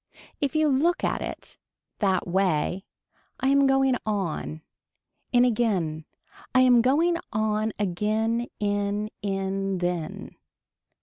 If you look at it. That way. I am going on. In again. I am going on again in in then.